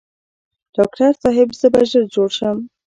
ډاکټر صاحب زه به ژر جوړ شم؟